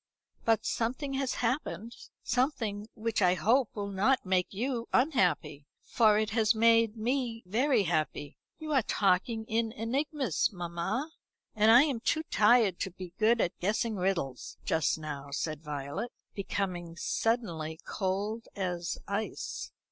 But something has happened. Something which I hope will not make you unhappy for it has made me very happy." "You are talking in enigmas, mamma, and I am too tired to be good at guessing riddles, just now," said Violet, becoming suddenly cold as ice.